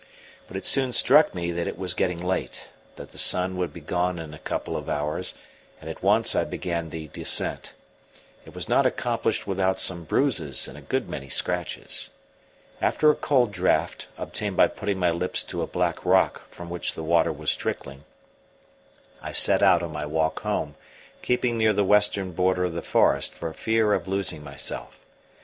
But it soon struck me that it was getting late, that the sun would be gone in a couple of hours; and at once I began the descent. It was not accomplished without some bruises and a good many scratches. After a cold draught, obtained by putting my lips to a black rock from which the water was trickling, I set out on my walk home, keeping near the western border of the forest for fear of losing myself.